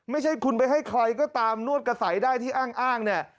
ไม่ใช่คุณไปให้ใครก็ตามนวดกระใสได้ที่อ้างเนี่ย